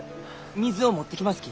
水を持ってきますき